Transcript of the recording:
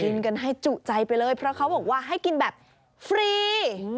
กินกันให้จุใจไปเลยเพราะเขาบอกว่าให้กินแบบฟรี